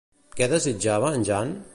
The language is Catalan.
Què desitjava en Jan?